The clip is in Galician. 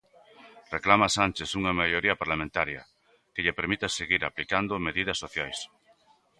Reclama Sánchez unha maioría parlamentaria que lle permita seguir aplicando medidas sociais.